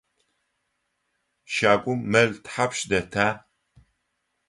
Щагум мэл тхьапш дэта?